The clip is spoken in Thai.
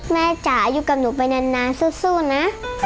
จ๋าอยู่กับหนูไปนานสู้นะ